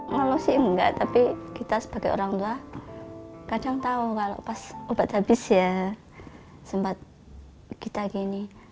kalau sih enggak tapi kita sebagai orang tua kadang tahu kalau pas obat habis ya sempat kita gini